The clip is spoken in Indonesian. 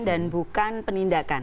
dan bukan penindakan